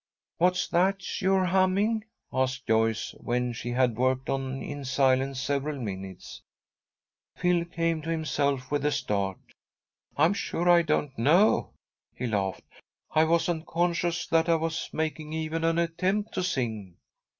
"What's that you're humming?" asked Joyce, when she had worked on in silence several minutes. Phil came to himself with a start. "I'm sure I don't know," he laughed. "I wasn't conscious that I was making even an attempt to sing."